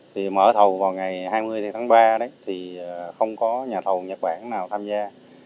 thì mở thầu vào ngày hai mươi tháng ba đấy thì không có nhà thầu nhật bản nào tham gia